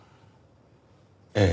ええ。